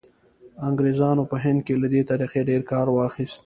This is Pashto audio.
انګریزانو په هند کې له دې طریقې ډېر کار واخیست.